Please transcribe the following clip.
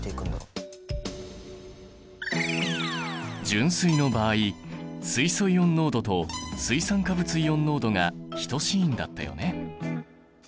純水の場合水素イオン濃度と水酸化物イオン濃度が等しいんだったよね。